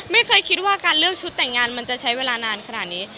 ไม่เคยคิดว่าการเลือกชุดแต่งงานมันจะใช้เวลานานขนาดนี้